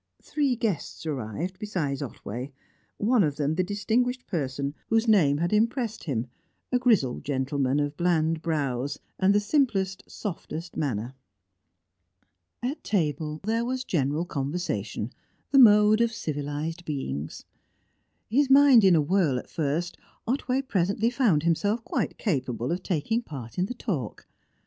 Three guests arrived, besides Otway, one of them the distinguished person whose name had impressed him; a grizzled gentleman, of bland brows, and the simplest, softest manner. At table there was general conversation the mode of civilised beings. His mind in a whirl at first, Otway presently found himself quite capable of taking part in the talk.